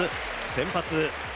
先発。